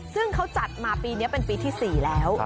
ซึ่งเขาจัดมาปีนี้เป็นปีที่๔แล้ว